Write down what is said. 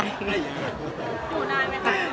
อยู่ได้ไหมคะ